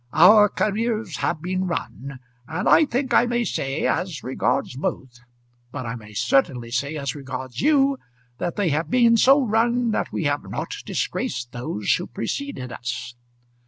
Our careers have been run; and I think I may say as regards both, but I may certainly say as regards you, that they have been so run that we have not disgraced those who preceded us.